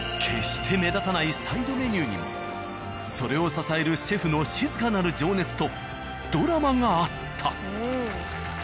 決して目立たないサイドメニューにもそれを支えるシェフの静かなる情熱とドラマがあった。